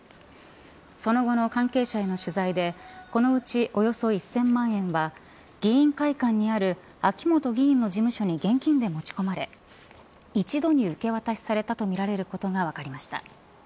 その後の関係者への取材でこのうち、およそ１０００万円は議員会館にある秋本議員の事務所に現金で持ち込まれ一度に受け渡しされたとみられることが分かりました。